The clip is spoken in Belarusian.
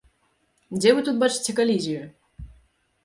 Дзе вы тут бачыце калізію?